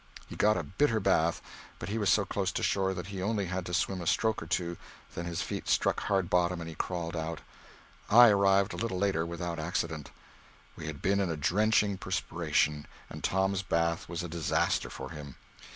He got a bitter bath, but he was so close to shore that he only had to swim a stroke or two then his feet struck hard bottom and he crawled out. I arrived a little later, without accident. We had been in a drenching perspiration, and Tom's bath was a disaster for him.